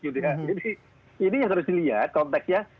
jadi ini yang harus dilihat konteksnya